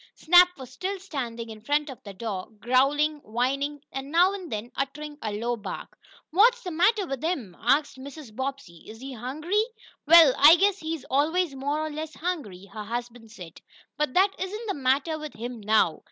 Snap was still standing in front of the door, growling, whining, and, now and then, uttering a low bark. "What's the matter with him?" asked Mrs. Bobbsey. "Is he hungry?" "Well, I guess he's always more or less hungry," her husband said, "but that isn't the matter with him now.